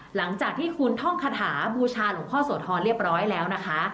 หลังจากที่คุณท่องคาถาบูชาหลวงพ่อโสธรเรียบร้อยแล้วนะคะ